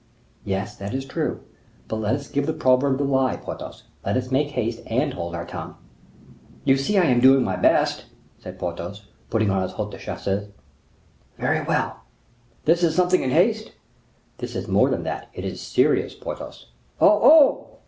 "Yes, that is true; but let us give the proverb the lie, Porthos; let us make haste, and hold our tongue." "You see I am doing my best," said Porthos, putting on his haut de chausses. "Very well." "This is something in haste?" "It is more than that, it is serious, Porthos." "Oh, oh!"